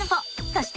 そして。